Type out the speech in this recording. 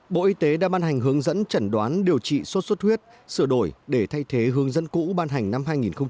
bộ y tế đã ban hành hướng dẫn chẩn đoán điều trị sốt xuất huyết sửa đổi để thay thế hướng dẫn cũ ban hành năm hai nghìn một mươi chín